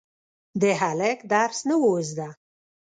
د هلک درس نه و زده.